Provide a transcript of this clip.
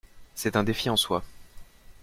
C'est un défi en soi.